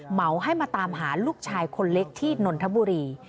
เหมาให้มาตามหาลูกชายคนเล็กที่นนทบุรี